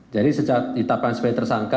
jadi ditetapkan sebagai tersangka